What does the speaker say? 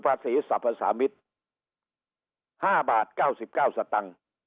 ภาษีสรรพสามิตรห้าบาทเก้าสิบเก้าสตังค์